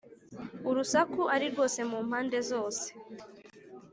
urusaku ari rwose mu mpande zose,